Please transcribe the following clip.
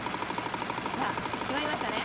さあ決まりましたね？